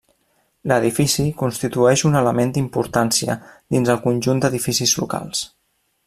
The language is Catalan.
L'edifici constitueix un element d'importància dins el conjunt d'edificis locals.